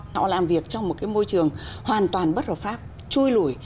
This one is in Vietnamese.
họ làm việc trong một cái môi trường hoàn toàn bất hợp pháp chui lủi